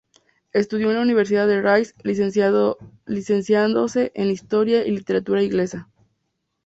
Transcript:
Estudió en la Universidad de Rice, licenciándose en Historia y Literatura Inglesa.